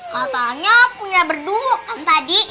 katanya punya berdua kan tadi